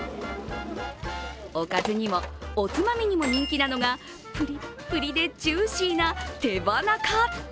おかずにも、おつまみにも人気なのがぷりっぷりでジューシーな手羽中。